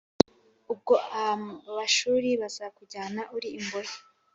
ubwo Abashuri bazakujyana uri imbohe